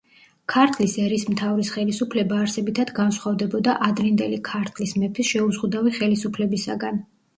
ქართლის ერისმთავრის ხელისუფლება არსებითად განსხვავდებოდა ადრინდელი ქართლის მეფის შეუზღუდავი ხელისუფლებისაგან.